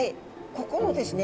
ここのですね